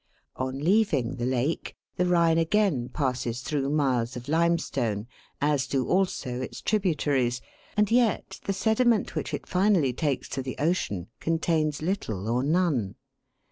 On leaving the lake, the Rhine again passes through miles of limestone, as do also its tributaries, and yet the sediment which it finally takes to the ocean con tains little or none.